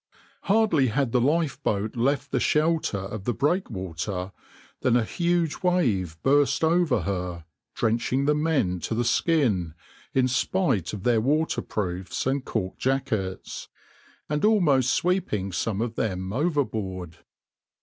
Hardly had the lifeboat left the shelter of the breakwater than a huge wave burst over her, drenching the men to the skin, in spite of their waterproofs and cork jackets, and almost sweeping some of them overboard.